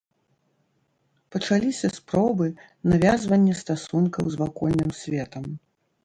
Пачаліся спробы навязвання стасункаў з вакольным светам.